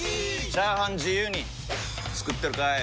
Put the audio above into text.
チャーハン自由に作ってるかい！？